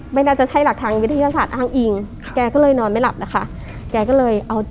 ไม่น่าจะใช่หลักทางวิทยาศาสตร์อ้างอิงแกก็เลยนอนไม่หลับแล้วค่ะแกก็เลยเอา